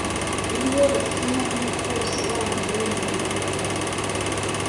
nibo basinya nk uko bisobanuwe mu ngingo ya mbere